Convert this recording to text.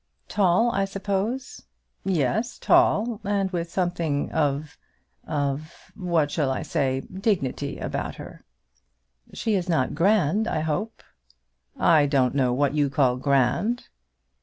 "Tall, I suppose?" "Yes, tall, and with something of of what shall I say dignity, about her." "She is not grand, I hope?" "I don't know what you call grand."